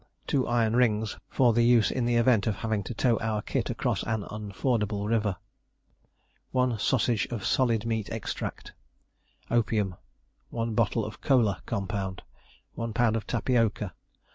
2 iron rings, for use in the event of having to tow our kit across an unfordable river. 1 sausage of solid meat extract. Opium. 1 bottle of "Kola" compound. 1 lb. tapioca.